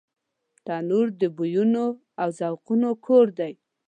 تنور د بویونو او ذوقونو کور دی